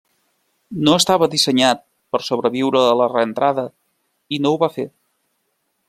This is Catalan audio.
No estava dissenyat per sobreviure a la reentrada, i no ho va fer.